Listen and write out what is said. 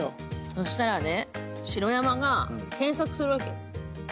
そうしたらね、白山が検索するわけＭ１６